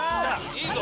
いいぞ！